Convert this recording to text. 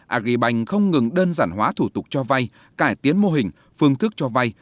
agribank không ngừng đơn giản hóa thủ tục cho vay cải tiến mô hình phương thức cho vay